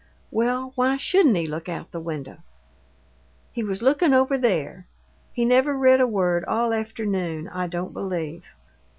"Well, why shouldn't he look out the window?" "He was lookin' over there. He never read a word all afternoon, I don't believe."